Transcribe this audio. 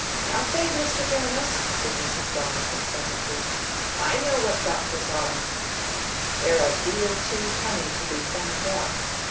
"Not they, Mr. Jonas!" said Mrs Dollop, emphatically. "I know what doctors are. They're a deal too cunning to be found out.